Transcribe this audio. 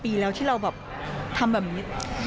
ปีแล้วที่เราแบบทำแบบนี้